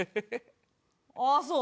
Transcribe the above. ああそう。